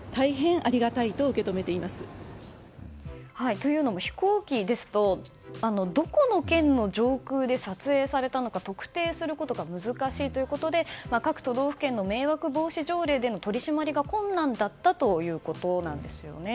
というのも、飛行機ですとどこの県の上空で撮影されたのか特定することが難しいということで各都道府県の迷惑防止条例での取り締まりが困難だったということです。